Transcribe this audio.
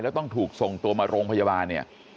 แล้วต้องถูกส่งตัวมาโรงพยาบาลเนี่ย